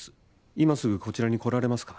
今すぐこちらに来られますか？